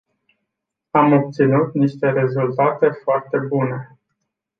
Am obținut niște rezultate foarte bune.